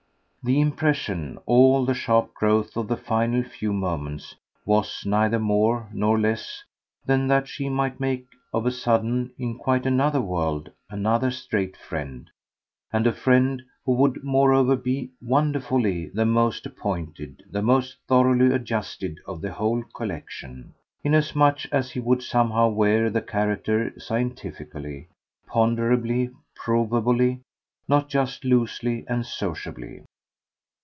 The impression all the sharp growth of the final few moments was neither more nor less than that she might make, of a sudden, in quite another world, another straight friend, and a friend who would moreover be, wonderfully, the most appointed, the most thoroughly adjusted of the whole collection, inasmuch as he would somehow wear the character scientifically, ponderably, proveably not just loosely and sociably.